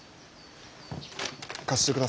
貸してください。